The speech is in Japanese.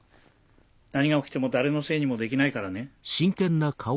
何が起きても誰のせいにもできないからね。